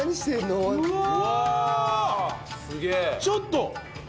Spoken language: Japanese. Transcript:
ちょっと！